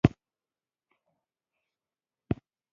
د هر نوع وسلې او وژونکو وسایلو مخنیوی کول.